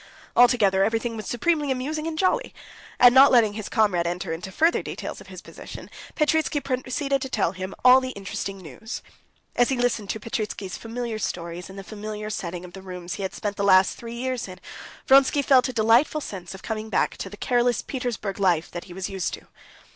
Altogether everything was supremely amusing and jolly. And, not letting his comrade enter into further details of his position, Petritsky proceeded to tell him all the interesting news. As he listened to Petritsky's familiar stories in the familiar setting of the rooms he had spent the last three years in, Vronsky felt a delightful sense of coming back to the careless Petersburg life that he was used to.